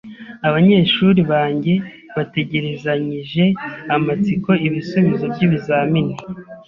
Abanyeshuri banjye bategerezanyije amatsiko ibisubizo by'ibizamini.